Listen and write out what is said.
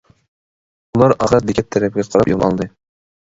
ئۇلار ئاخىرى بېكەت تەرەپكە قاراپ يول ئالدى.